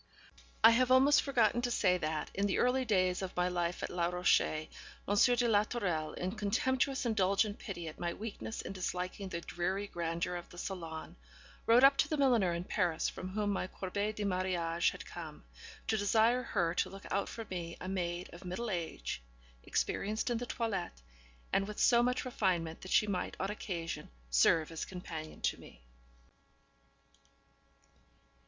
I have almost forgotten to say that, in the early days of my life at Les Rochers, M. de la Tourelle, in contemptuous indulgent pity at my weakness in disliking the dreary grandeur of the salon, wrote up to the milliner in Paris from whom my corbeille de mariage had come, to desire her to look out for me a maid of middle age, experienced in the toilette, and with so much refinement that she might on occasion serve as companion to me.